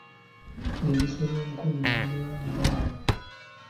Eriiso ly'omukulu, ewaddugala we walaba.